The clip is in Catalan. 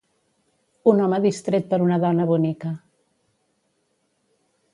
Un home distret per una dona bonica.